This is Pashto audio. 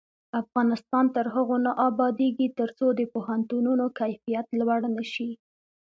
افغانستان تر هغو نه ابادیږي، ترڅو د پوهنتونونو کیفیت لوړ نشي.